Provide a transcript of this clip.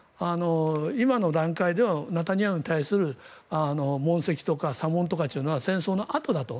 今の段階ではネタニヤフに対する問責とか査問とかというのは戦争のあとだと。